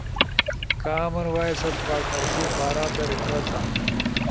کامن وائس ست پارتنرشب بارا در اِزدا تھا